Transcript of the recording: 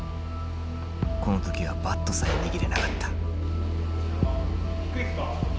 この時はバットさえ握れなかった。